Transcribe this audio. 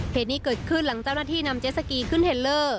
เหตุนี้เกิดขึ้นหลังเจ้าหน้าที่นำเจสสกีขึ้นเทลเลอร์